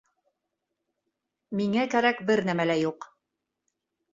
Миңә кәрәк бер нәмә лә юҡ.